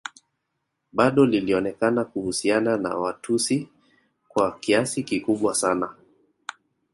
Bado lilionekana kuhusiana na Watusi kwa kiasi kikubwa sana